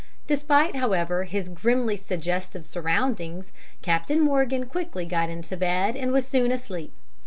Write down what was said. Despite, however, his grimly suggestive surroundings, Captain Morgan quickly got into bed and was soon asleep.